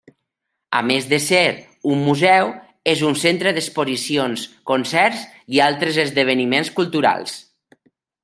A més de ser un museu és un centre d'exposicions, concerts i altres esdeveniments culturals.